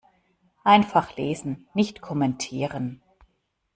Einfach lesen, nicht kommentieren.